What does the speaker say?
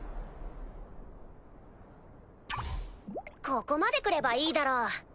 ここまで来ればいいだろう。